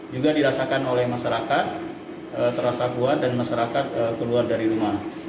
juga dirasakan oleh masyarakat terasa kuat dan masyarakat keluar dari rumah